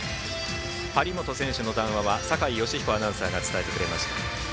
張本選手の談話は酒井良彦アナウンサーが伝えてくれました。